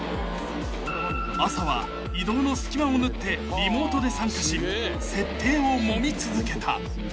［朝は移動の隙間を縫ってリモートで参加し設定をもみ続けた］